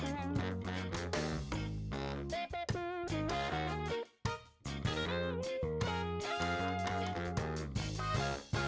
เนี้ยผูกอยู่เนี้ยผูกอยู่เนี้ย